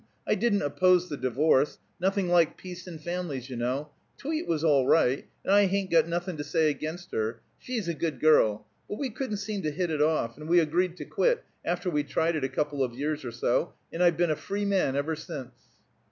I didn't oppose the divorce; nothing like peace in families, you know. Tweet was all right, and I hain't got anything to say against her. She's a good girl; but we couldn't seem to hit it off, and we agreed to quit, after we'd tried it a couple of years or so, and I've been a free man ever since."